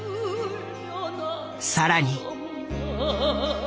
更に。